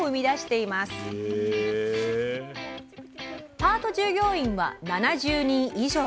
パート従業員は７０人以上。